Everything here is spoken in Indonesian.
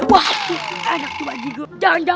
waduh enak tuh pak jigur